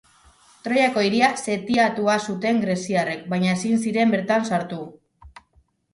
Troiako hiria setiatua zuten greziarrek, baina ezin ziren bertan sartu.